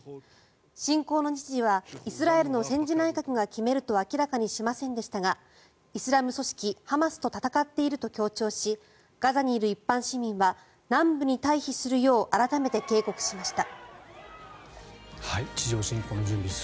侵攻の日時はイスラエルの戦時内閣が決めると明らかにしませんでしたがイスラム組織ハマスと戦っていると強調しガザにいる一般市民は南部に退避するよう改めて警告しました。